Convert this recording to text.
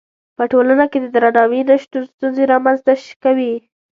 په ټولنه کې د درناوي نه شتون ستونزې رامنځته کوي.